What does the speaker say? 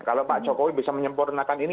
kalau pak jokowi bisa menyempurnakan ini